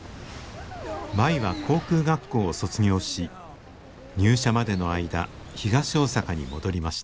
舞は航空学校を卒業し入社までの間東大阪に戻りました。